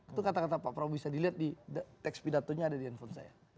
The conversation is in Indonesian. itu kata kata pak prabowo bisa dilihat di teks pidatonya ada di handphone saya